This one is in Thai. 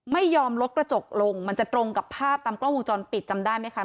ไม่ยอมลดกระจกลงมันจะตรงกับภาพตามกล้องวงจรปิดจำได้ไหมคะ